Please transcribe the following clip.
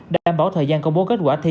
đảm bảo thời gian công bố kết quả thi